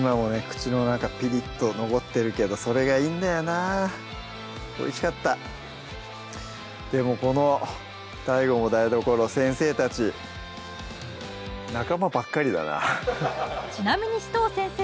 口の中ピリッと残ってるけどそれがいいんだよなおいしかったでもこのＤＡＩＧＯも台所先生仲間ばっかりだなちなみに紫藤先生